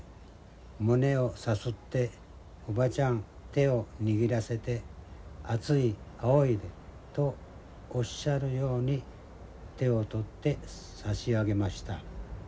おばちゃん手を握らせて熱いあおいでとおっしゃるように手を取って差し上げました。